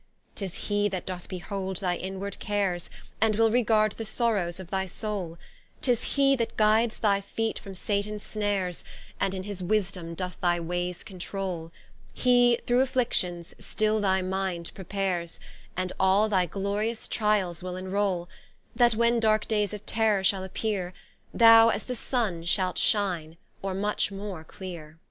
Tis He that doth behold thy inward cares, And will regard the sorrowes of thy Soule; Tis He that guides thy feet from Sathans snares, And in his Wisedome, doth thy waies controule: He through afflictions, still thy Minde prepares, And all thy glorious Trialls will enroule: That when darke daies of terror shall appeare, Thou as the Sunne shalt shine; or much more cleare.